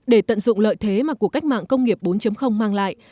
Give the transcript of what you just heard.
để tận dụng lợi thế mà cuộc cách mạng công nghiệp bốn mang lại